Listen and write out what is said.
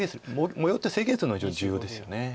模様って制限するのは非常に重要ですよね。